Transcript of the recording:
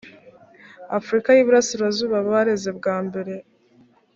afurika y iburasirazuba bareze bwa mbere